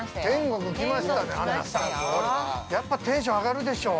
◆やっぱりテンション上がるでしょう。